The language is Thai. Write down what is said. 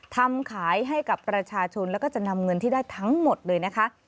ทำขายให้กับประชาชนแล้วก็จะนำเงินที่ได้ทั้งหมดเลยนะคะ